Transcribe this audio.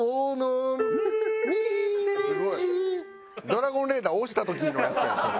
ドラゴンレーダー押した時のやつやんそれ。